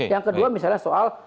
yang kedua misalnya soal